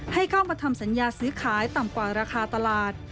ให้เข้ามาทำสัญญาซื้อขายต่ำกว่าราคาตลาด